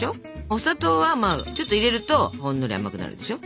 お砂糖はちょっと入れるとほんのり甘くなるでしょ。